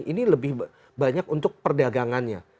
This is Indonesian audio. ini lebih banyak untuk perdagangannya